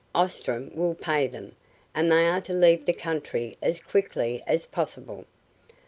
Ostrom will pay them, and they are to leave the country as quickly as possible.